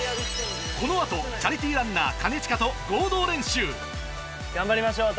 この後チャリティーランナー兼近と合同練習頑張りましょう。